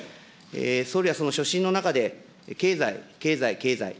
総理はその所信の中で、経済、経済、経済。